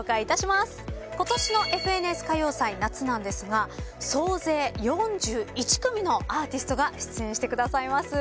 ことしの『ＦＮＳ歌謡祭夏』なんですが総勢４１組のアーティストが出演してくださいます。